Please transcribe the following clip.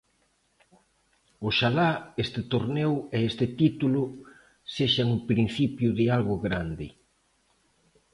Oxalá este torneo e este título sexan o principio de algo grande.